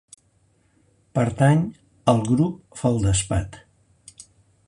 Pertany al grup feldespat.